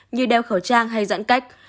như đeo khẩu trang hay giãn cách